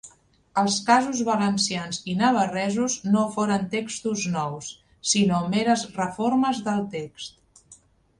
Els casos valencians i navarresos no foren textos nous, sinó meres reformes del text.